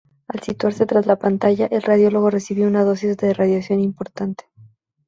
Al situarse tras la pantalla, el radiólogo recibía una dosis de radiación importante.